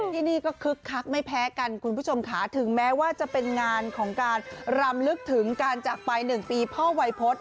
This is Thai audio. ที่นี่ก็คึกคักไม่แพ้กันคุณผู้ชมค่ะถึงแม้ว่าจะเป็นงานของการรำลึกถึงการจากไป๑ปีพ่อวัยพฤษ